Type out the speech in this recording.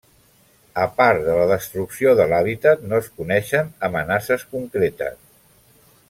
A part de la destrucció de l'hàbitat, no es coneixen amenaces concretes.